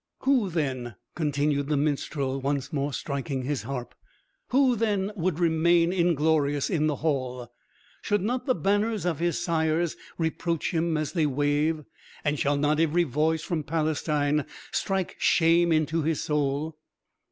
Who then" (continued the minstrel, once more striking his harp), "who then would remain inglorious in the hall? Shall not the banners of his sires reproach him as they wave? and shall not every voice from Palestine strike shame into his soul?"